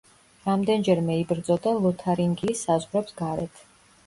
რამდენჯერმე იბრძოდა ლოთარინგიის საზღვრებს გარეთ.